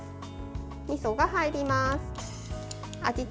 みそが入ります。